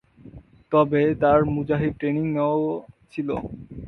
তবে তার মুজাহিদ ট্রেনিং নেওয়া ছিল।